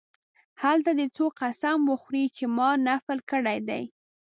هلته دې څوک قسم وخوري چې ما نفل کړی دی.